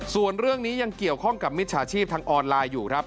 ส่วนเรื่องนี้ยังเกี่ยวข้องกับมิจฉาชีพทางออนไลน์อยู่ครับ